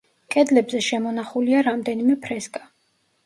კედლებზე შემონახულია რამდენიმე ფრესკა.